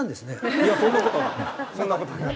いやそんな事はない。